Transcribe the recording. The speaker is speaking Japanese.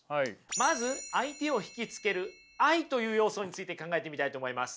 まず相手を引きつける愛という要素について考えてみたいと思います。